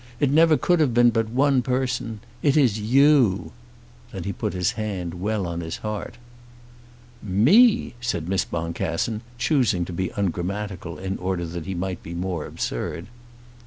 It never could have been but one person. It is you." Then he put his hand well on his heart. "Me!" said Miss Boncassen, choosing to be ungrammatical in order that he might be more absurd.